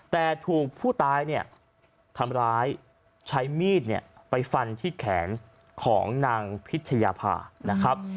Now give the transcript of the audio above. แต่ถูกผู้ตายเนี่ยทำร้ายใช้มีดเนี่ยไปฟันที่แขนของนางพิชยาภานะครับ